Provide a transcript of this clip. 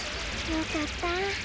よかった。